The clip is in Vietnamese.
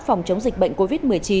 phòng chống dịch bệnh covid một mươi chín